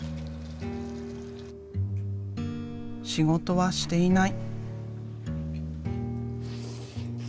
仕事はしていない。